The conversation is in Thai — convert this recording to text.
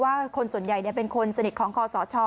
คนส่วนใหญ่เป็นคนสนิทของคอสช